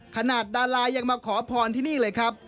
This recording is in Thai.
ดารายังมาขอพรที่นี่เลยครับ